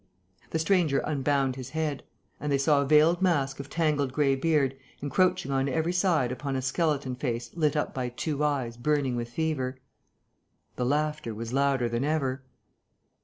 The stranger unbound his head; and they saw a veiled mask of tangled grey beard encroaching on every side upon a skeleton face lit up by two eyes burning with fever. The laughter was louder than ever.